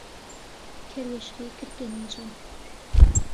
کەروێشکەی کرد گەنم و جۆ